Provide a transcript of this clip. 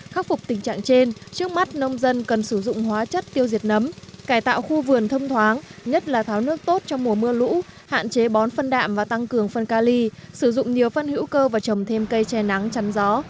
khắc phục tình trạng trên trước mắt nông dân cần sử dụng hóa chất tiêu diệt nấm cải tạo khu vườn thông thoáng nhất là tháo nước tốt trong mùa mưa lũ hạn chế bón phân đạm và tăng cường phân ca ly sử dụng nhiều phân hữu cơ và trồng thêm cây che nắng chắn gió